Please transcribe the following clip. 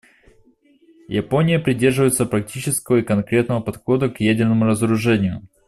Япония придерживается практического и конкретного подхода к ядерному разоружению.